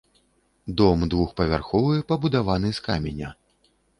Дом двухпавярховы, пабудаваны з каменя.